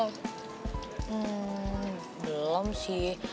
hmm belum sih